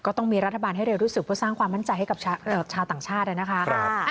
ต้องมีรัฐบาลให้เร็วที่สุดเพื่อสร้างความมั่นใจให้กับชาวต่างชาตินะคะ